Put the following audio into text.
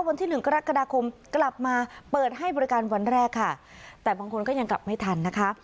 วันที่หนึ่งกรกฎาคมกลับมาเปิดให้บริการวันแรกค่ะแต่บางคนก็ยังกลับไม่ทันนะคะ